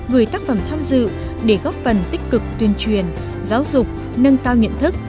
gửi tác phẩm tham dự để góp phần tích cực tuyên truyền giáo dục nâng cao nhận thức